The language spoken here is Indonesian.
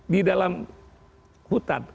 di dalam hutan